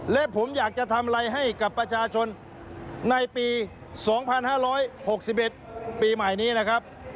และผมอยากจะทำอะไรให้กับประชาชนในปี๒๕๖๑ปีใหม่นี้นะครับ